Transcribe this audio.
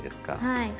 はい。